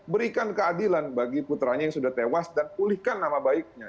berikan keadilan bagi putranya yang sudah tewas dan pulihkan nama baiknya